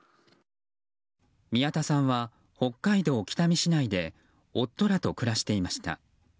宮田さんは北海道北見市内で夫らと暮らしていました。